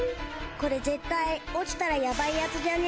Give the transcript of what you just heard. これ絶対落ちたらヤバいヤツじゃね？